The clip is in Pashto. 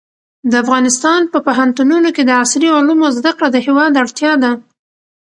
د افغانستان په پوهنتونونو کې د عصري علومو زده کړه د هېواد اړتیا ده.